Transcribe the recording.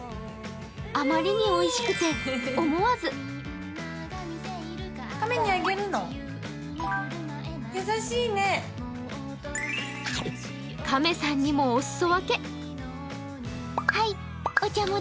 あまりにおいしくて、思わず亀さんにもおすそ分け。